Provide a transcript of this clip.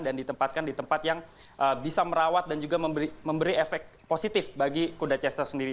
dan ditempatkan di tempat yang bisa merawat dan juga memberi efek positif bagi kuda chester sendiri